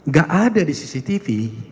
gak ada di cctv